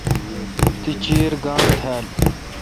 تی چیر گاݨڈ تھال۔